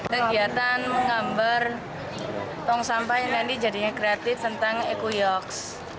kegiatan menggambar tong sampah yang nanti jadinya kreatif tentang eko yoks